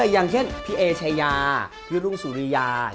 อย่างเช่นพี่เอชายาพี่รุ่งสุริยา